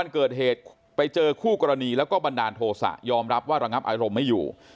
เกิดเหตุไปเจอคู่กรณีแล้วก็บันดาลโทษะยอมรับว่าระงับอารมณ์ไม่อยู่